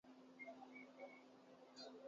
آج ان کی حالت کیا ہے؟